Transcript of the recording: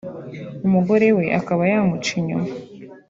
umugore we akaba yamuca inyuma